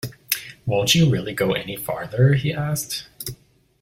“Won’t you really go any farther?” he asked.